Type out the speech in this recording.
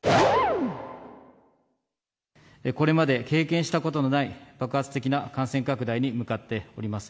これまで経験したことのない爆発的な感染拡大に向かっております。